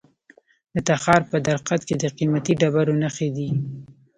د تخار په درقد کې د قیمتي ډبرو نښې دي.